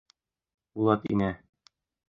Булат инә.